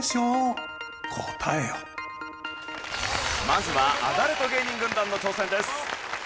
まずはアダルト芸人軍団の挑戦です。